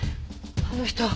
あの人